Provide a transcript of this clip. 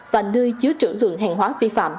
và nơi chứa trưởng lượng hàng hóa vi phạm